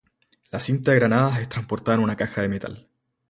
La cinta de granadas es transportada en una caja de metal.